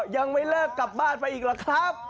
อ๋อยังไม่เลิกกลับบ้านไปอีกแล้วครับ